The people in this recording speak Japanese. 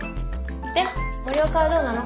で森若はどうなの？